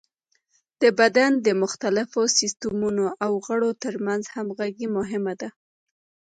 د بدن د مختلفو سیستمونو او غړو تر منځ همغږي مهمه ده.